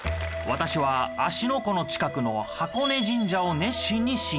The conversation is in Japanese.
私は芦ノ湖の近くの箱根神社を熱心に信仰。